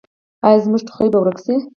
ایا زما ټوخی به ورک شي؟